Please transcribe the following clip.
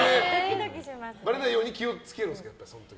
ばれないように気を付けるんですか？